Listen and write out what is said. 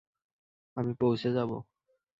আমি পৌঁছে যাবো।